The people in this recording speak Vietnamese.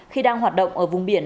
khi đang hoạt động ở vùng biển